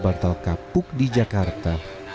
bartal kapuk di jakarta